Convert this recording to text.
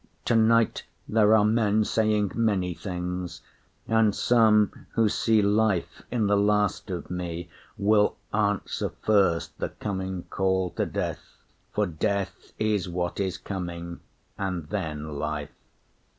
Tonight there are men saying many things; And some who see life in the last of me Will answer first the coming call to death; For death is what is coming, and then life.